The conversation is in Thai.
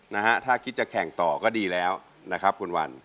นะฮะถ้าคิดจะแข่งต่อก็ดีแล้วนะครับคุณวัน